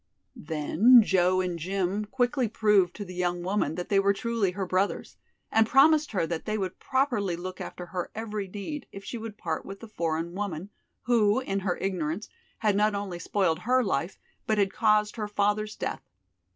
Then Joe and Jim quickly proved to the young woman that they were truly her brothers, and promised her that they would properly look after her every need if she would part with the foreign woman, who, in her ignorance, had not only spoiled her life, but had caused her father's death.